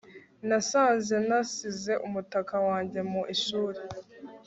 nasanze nasize umutaka wanjye mu ishuri